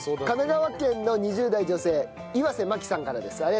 神奈川県の２０代女性岩瀬真紀さんからです。